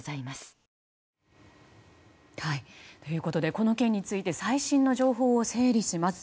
この件について最新の情報を整理します。